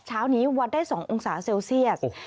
เช้านี้วัดได้๒องศาเซลเซียส